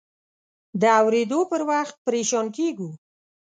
د اورېدو پر وخت پریشان کېږو.